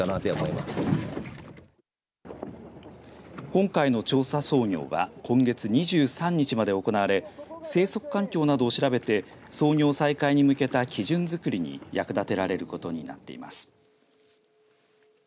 今回の調査操業は今月２３日まで行われ生息環境などを調べて操業再開に向けた基準づくりに役立てられることになっています。